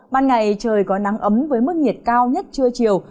ban ngày trời có nắng ấm với mức nhiệt cao nhất trưa chiều